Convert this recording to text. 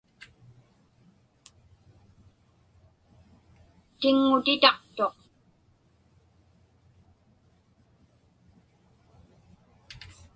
Tiŋŋutitaqtuq.